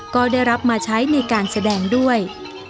ก็ได้รับมาใช้ในการแสดงด้วย